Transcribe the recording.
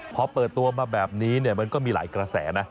พอเปิดตัวมาแบบนี้มันก็มีหลายกระแสนะ